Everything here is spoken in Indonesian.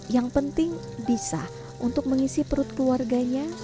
yang penting bisa untuk mengisi perut keluarganya